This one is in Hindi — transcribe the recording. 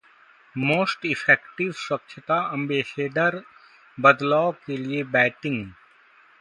मोस्ट इफेक्टिव स्वच्छता एंबेसडरः बदलाव के लिए बैटिंग